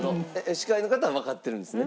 司会の方はわかってるんですね。